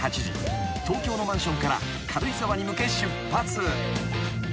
［東京のマンションから軽井沢に向け出発］